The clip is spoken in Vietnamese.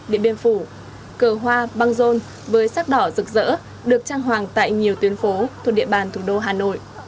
hoàng phủ cờ hoa bang dôn với sắc đỏ rực rỡ được trang hoàng tại nhiều tuyến phố thuộc địa bàn thủ đô hà nội